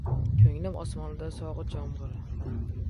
Ko‘nglim osmonida sog‘inch yomg‘iri!